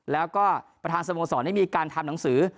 แล้วก็ประธานสโมสรได้มีการทำหนังสือ